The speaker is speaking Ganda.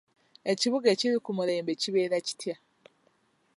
Ekibuga ekiri ku mulembe kibeera kitya?